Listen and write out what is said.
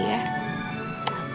iya juga sih ya